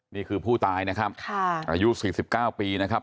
นี่คือผู้ตายนะครับอายุ๔๙ปีนะครับ